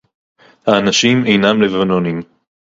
הָאֲנָשִׁים אֵינָם לְבָנוֹנִים.